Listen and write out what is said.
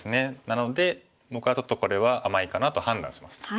なので僕はちょっとこれは甘いかなと判断しました。